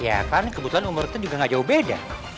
ya kan kebetulan umur kita juga gak jauh beda